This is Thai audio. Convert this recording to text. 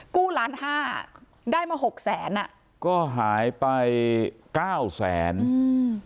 ล้านห้าได้มาหกแสนอ่ะก็หายไปเก้าแสนอืม